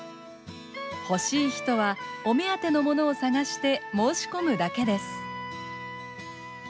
欲しい人はお目当てのものを探して申し込むだけです。